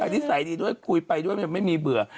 นิสัยดีด้วยคุยไปด้วยมันไม่มีเบื่อ